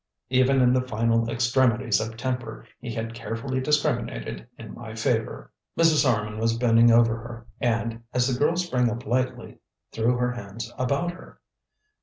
Even in the final extremities of temper, he had carefully discriminated in my favour. Mrs. Harman was bending over her, and, as the girl sprang up lightly, threw her arms about her.